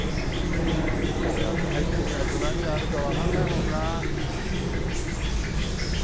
こうやって入ってみないと何があるかわからないもんな。